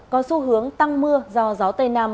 có xu hướng tăng mưa do gió tây nam